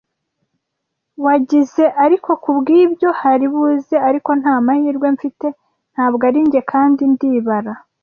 wagize ariko kubwibyo haribuze, ariko nta mahirwe mfite, ntabwo ari njye; kandi ndibara